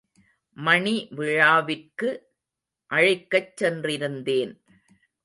மணிவிழாவிற்கு அழைக்கச் சென்றிருந்தேன்.